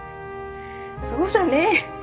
そうだね。